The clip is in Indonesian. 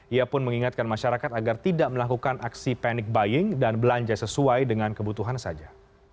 ia pun mengingatkan masyarakat agar tidak melakukan aksi panic buying dan belanja sesuai dengan kebutuhan saja